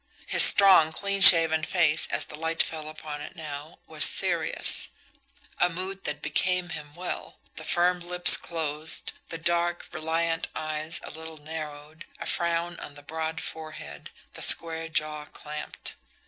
His strong, clean shaven face, as the light fell upon it now, was serious a mood that became him well the firm lips closed, the dark, reliant eyes a little narrowed, a frown on the broad forehead, the square jaw clamped.